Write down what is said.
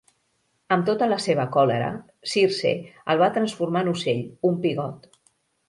Amb tota la seva còlera, Circe el va transformar en ocell, un pigot.